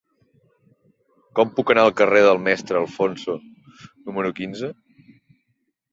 Com puc anar al carrer del Mestre Alfonso número quinze?